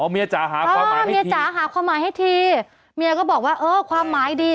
เมียจ๋าหาความหมายให้ทีเมียก็บอกว่าความหมายดี